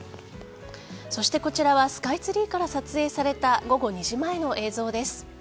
そして、こちらはスカイツリーから撮影された午後２時前の映像です。